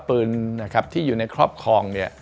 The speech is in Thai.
ปืนที่อยู่ในครอบครอง